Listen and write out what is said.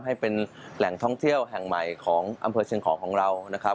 ให้เป็นแหล่งท่องเที่ยวแห่งใหม่ของอำเภอเชียงของของเรานะครับ